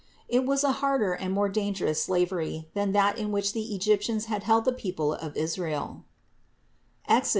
It was a harder and more dangerous slavery than that in which the Egyptians had held the people of Israel (Exod.